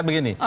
ini kan asumsi